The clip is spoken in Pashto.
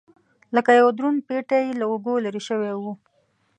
لکه یو دروند پېټی یې له اوږو لرې شوی و.